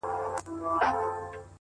راځئ چي د غميانو څخه ليري كړو دا كاڼي.!